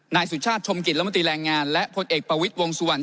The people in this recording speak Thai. นายสุชาติชมกิจละมติแรงงานและพลเอกปวิทย์วงสวรรค์